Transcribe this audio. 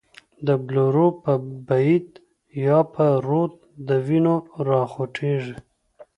د بلورو په بید یا به، رود د وینو را خوټیږی